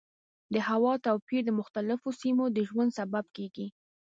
د هوا توپیر د مختلفو سیمو د ژوند سبب کېږي.